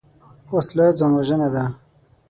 وسله ځان وژنه ده